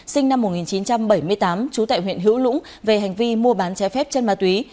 sinh năm một nghìn chín trăm bảy mươi tám trú tại huyện hữu lũng về hành vi mua bán trái phép chân ma túy